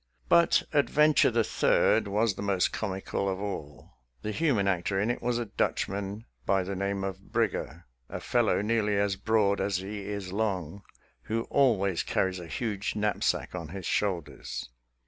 But ad venture the third was the most comical of all. The human actor in it was a Dutchman by the name of Brigger, a fellow nearly as broad as he is long, who always carries a huge knapsack on his shoulders.